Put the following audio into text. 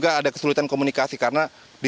ada kesulitan komunikasi karena